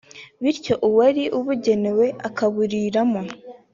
bityo uwari ubugenewe akaburiramo’’